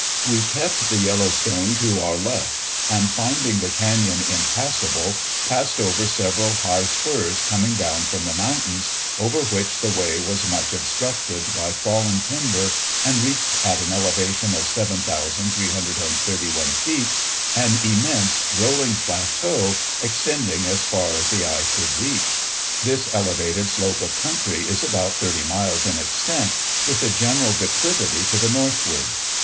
] "We kept the Yellowstone to our left, and finding the canyon impassable, passed over several high spurs coming down from the mountains, over which the way was much obstructed by fallen timber, and reached, at an elevation of 7,331 feet, an immense rolling plateau extending as far as the eye could reach. This elevated slope of country is about 30 miles in extent, with a general declivity to the northward.